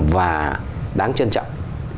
và đáng trân trọng